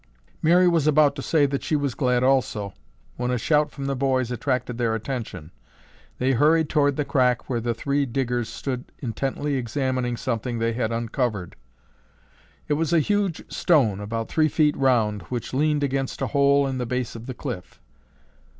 Mary was about to say that she was glad, also, when a shout from the boys attracted their attention. They hurried toward the crack where the three diggers stood intently examining something they had uncovered. It was a huge stone about three feet round which leaned against a hole in the base of the cliff.